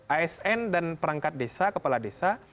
asn dan perangkat desa kepala desa